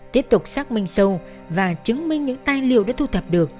tiếp tục xác minh sâu và chứng minh những tài liệu đã thu thập được